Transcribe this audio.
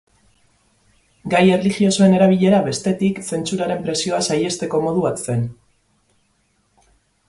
Gai erlijiosoen erabilera, bestetik, zentsuraren presioa saihesteko modu bat zen.